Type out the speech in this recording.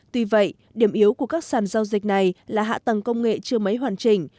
tuy vậy điểm yếu của các sàn giao dịch này là hạ tầng công nghệ chưa mấy hoàn chỉnh